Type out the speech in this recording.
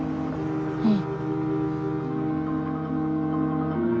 うん。